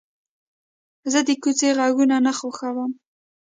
زه د کوڅې غږونه نه خوښوم.